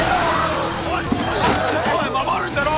おい守るんだろ！